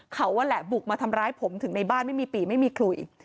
เขานั่นแหละบุกมาทำร้ายผมถึงในบ้านไม่มีปีไม่มีขลุย